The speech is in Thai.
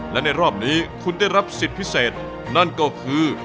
และในรอบนี้คุณได้รับสิทธิ์พิเศษนั่นก็คือ